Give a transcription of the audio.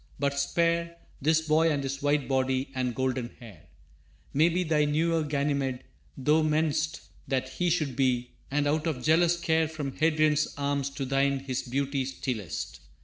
but spare This boy and his white body and golden hair. Maybe thy newer Ganymede thou meanst That he should be, and out of jealous care From Hadrian's arms to thine his beauty steal'st.